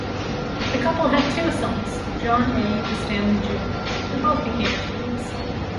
The couple had two sons, John A. and Stanley Junior who both became attorneys.